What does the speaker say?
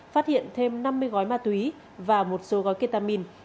phát hiện thêm năm mươi gói ma túy và một số gói ketamin